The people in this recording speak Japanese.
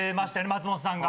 松本さんが。